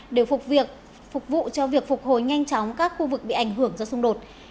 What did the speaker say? đều phục vụ cho việc phục hồi nhanh chóng các khu vực bị ảnh hưởng do xung đột